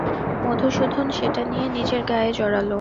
মধুসূদন সেটা নিয়ে নিজের গায়ে জড়াল।